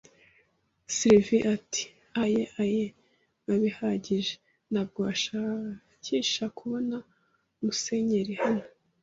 Silver ati: "Aye, aye". “Nka bihagije; ntabwo washakisha kubona musenyeri hano, I.